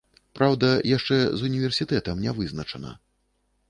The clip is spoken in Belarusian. Праўда, яшчэ з універсітэтам не вызначана.